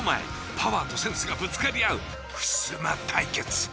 パワーとセンスがぶつかり合うふすま対決。